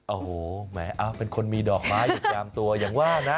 โอ้โหแหมเป็นคนมีดอกไม้อยู่ตามตัวอย่างว่านะ